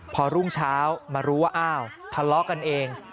พอรุ่งเช้ามารู้ว่าอ้าวทะเลาะกันเอง